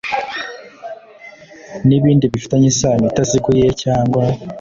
N ibindi bifitanye isano itaziguye cyangwa